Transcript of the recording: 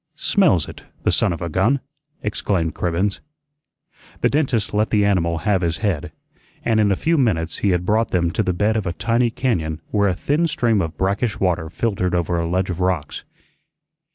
"Smells it, the son of a gun!" exclaimed Cribbens. The dentist let the animal have his head, and in a few minutes he had brought them to the bed of a tiny cañón where a thin stream of brackish water filtered over a ledge of rocks.